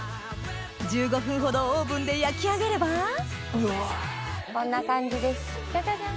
１５分ほどオーブンで焼き上げればこんな感じですジャジャジャン！